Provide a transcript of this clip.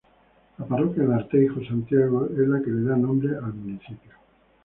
La parroquia de Arteijo, Santiago, es la que le da nombre al municipio.